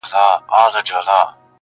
و چاته تڼۍ خلاصي کړه گرېوالنه سرگردانه~